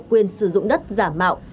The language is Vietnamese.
quyền sử dụng đất giả mạo